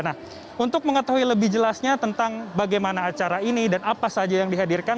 nah untuk mengetahui lebih jelasnya tentang bagaimana acara ini dan apa saja yang dihadirkan